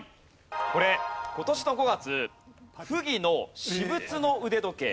これ今年の５月溥儀の私物の腕時計